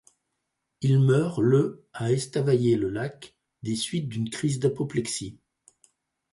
Il meurt le à Estavayer-le-Lac, des suites d’une crise d’apoplexie.